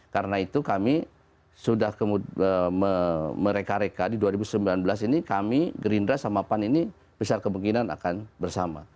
karena itu kami sudah mereka reka di dua ribu sembilan belas ini kami gerinra sama pan ini besar kemungkinan akan bersama